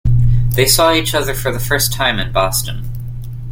They saw each other for the first time in Boston.